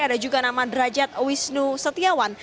ada juga nama derajat wisnu setiawan